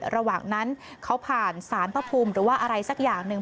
ระหว่างนั้นเขาผ่านสานบุพุมหรืออะไรสักอย่างหนึ่ง